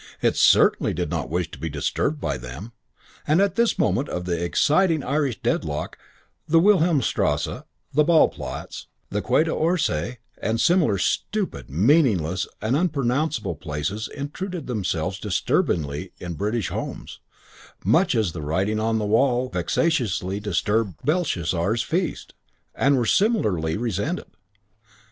It certainly did not wish to be disturbed by them, and at this moment of the exciting Irish deadlock the Wilhelmstrasse, the Ball Platz, the Quai d'Orsay and similar stupid, meaningless and unpronounceable places intruded themselves disturbingly in British homes, much as the writing on the wall vexatiously disturbed Belshazzar's feast, and were similarly resented.